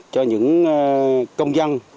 cho những công dân